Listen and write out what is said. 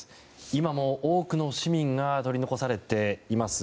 今も多くの市民が取り残されています